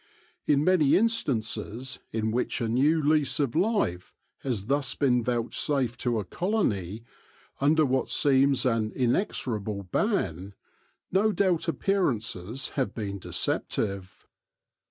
In many instances in which a new lease of life has thus been vouchsafed to a colony under what seems an inexorable ban, no doubt appearances have been deceptive.